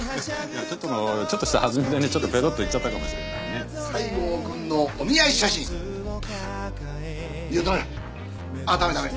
ちょっとしたはずみでねペロっと言っちゃったかもしれないね西郷くんのお見合い写真いやダメだあっダメダメ